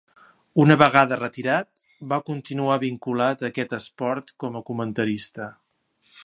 Una vegada retirat va continuar vinculat a aquest esport com a comentarista.